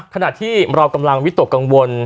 ขณะที่เรากำลังวิตกกังวล